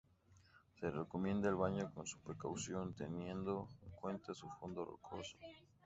Se recomienda el baño con precaución, teniendo en cuenta su fondo rocoso.